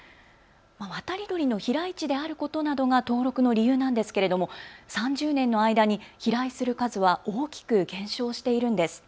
渡り鳥の飛来地であることなどが登録の理由なんですけども３０年の間に飛来する数は大きく減少しているんです。